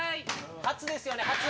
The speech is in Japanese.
初ですよね、初。